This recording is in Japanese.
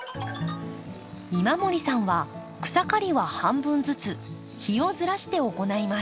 今森さんは草刈りは半分ずつ日をずらして行います。